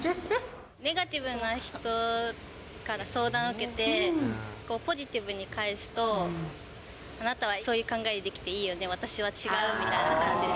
ネガティブな人から相談を受けて、ポジティブに返すと、あなたはそういう考えできていいよね、私は違うみたいな感じで。